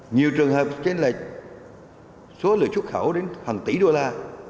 nhiều trường hợp trên là số lượng xuất khẩu đến hàng tỷ đô la